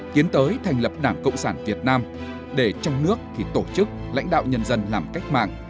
tiến tới thành lập đảng cộng sản việt nam để trong nước thì tổ chức lãnh đạo nhân dân làm cách mạng